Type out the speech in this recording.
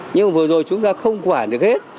nhưng mà vừa rồi chúng ta không quản được hết